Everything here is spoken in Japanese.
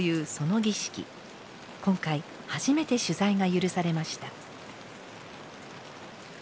今回初めて取材が許されました。